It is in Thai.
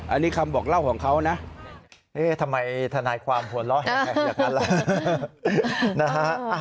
อันนี้คำบอกเล่าของเขานะทำไมทนายความหัวเราะแหอย่างนั้นล่ะ